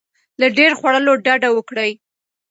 له ډیر خوړلو ډډه وکړئ.